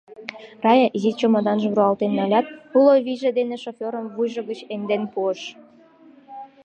Рая, изи чемоданжым руалтен налят, уло вийже дене шофёрым вуйжо гыч эҥден пуыш.